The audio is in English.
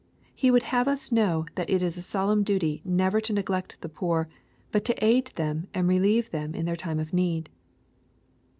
He would have us know that it is a solemn duty never to neglect the poor, but to aid them and relieve them in their time of need.